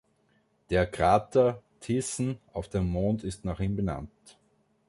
Der Krater „Thiessen“ auf dem Mond ist nach ihm benannt.